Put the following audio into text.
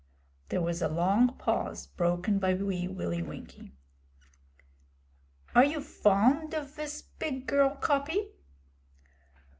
There was a long pause, broken by Wee Willie Winkie. 'Are you fond of vis big girl, Coppy?'